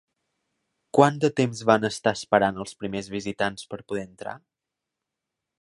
Quant de temps van estar esperant els primers visitants per poder entrar?